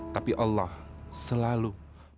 tapi allah selalu